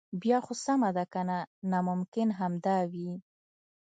بیا خو سمه ده کنه ناممکن همدا وي.